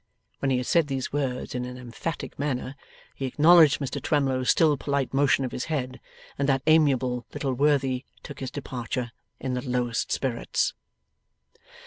When he had said these words in an emphatic manner, he acknowledged Mr Twemlow's still polite motion of his head, and that amiable little worthy took his departure in the lowest spirits.